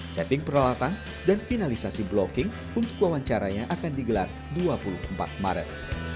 setting peralatan dan finalisasi blocking untuk wawancaranya akan digelar dua puluh empat maret